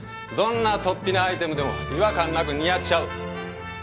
どんなとっぴなアイテムでも違和感なく似合っちゃう！